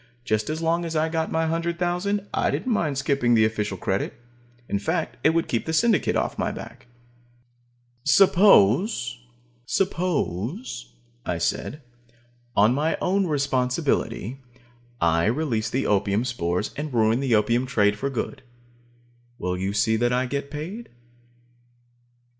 Just as long as I got my hundred thousand, I didn't mind skipping the official credit. In fact, it would keep the Syndicate off my back. "Suppose," I said, "on my own responsibility, I release the spores and ruin the opium trade for good. Will you see that I get paid?"